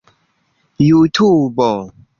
jutubo